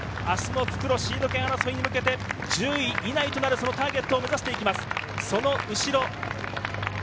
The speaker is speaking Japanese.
明日の復路、シード権争いに向けて１０位以内となるターゲットを目指していきます。